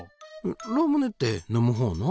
ラムネって飲むほうの？